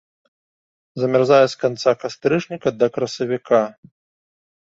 Замярзае з канца кастрычніка да красавіка.